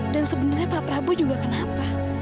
dan sebenernya pak prabu juga kenapa